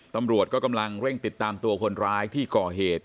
ตำรวจก็กำลังเร่งติดตามตัวคนร้ายที่ก่อเหตุ